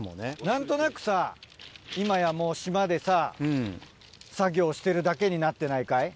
何となくさ今やもう島でさ作業してるだけになってないかい？